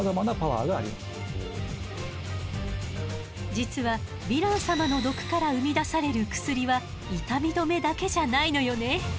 実はヴィラン様の毒から生み出される薬は痛み止めだけじゃないのよね。